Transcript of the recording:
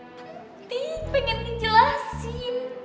tentu pengen dijelasin